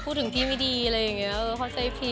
คุณตูน้องก็คิดว่าน้องมันจะดูด้วยหรือเปล่า